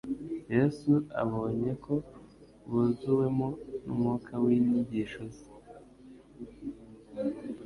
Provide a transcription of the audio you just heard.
Yesu abonye ko buzuwemo n'umwuka w'inyigisho ze;